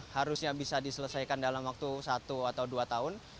harusnya bisa diselesaikan dalam waktu satu atau dua tahun